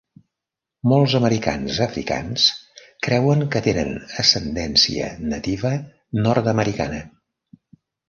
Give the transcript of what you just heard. Molts Americans Africans creuen que tenen ascendència nativa nord-americana.